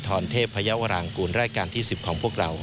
ธรรณเทพมร์พระยาควาราหารกูลรายการที่๑๐ของพวกเรา